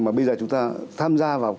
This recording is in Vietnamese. mà bây giờ chúng ta tham gia vào